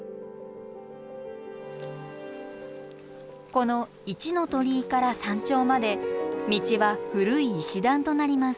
この一の鳥居から山頂まで道は古い石段となります。